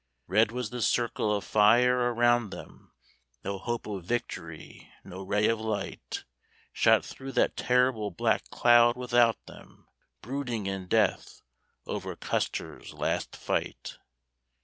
Red was the circle of fire around them; No hope of victory, no ray of light, Shot through that terrible black cloud without them, Brooding in death over Custer's last fight.